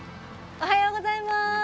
おはようございます！